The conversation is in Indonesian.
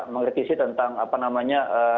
mengkritisi tentang apa namanya